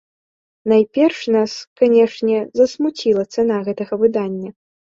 Найперш нас, канечне, засмуціла цана гэтага выдання.